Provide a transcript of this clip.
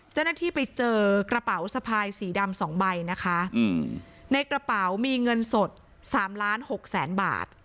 เจ้าหน้าที่ไปเจอกระเป๋าสะพายสีดำสองใบนะคะในกระเป๋ามีเงินสดสามล้านหกแสนบาท